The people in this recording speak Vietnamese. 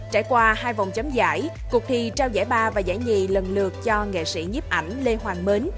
trải qua hai vòng chấm giải cuộc thi trao giải ba và giải nhì lần lượt cho nghệ sĩ nhiếp ảnh lê hoàng mến